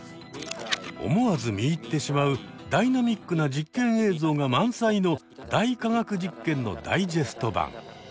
思わず見入ってしまうダイナミックな実験映像が満載の「大科学実験」のダイジェスト版。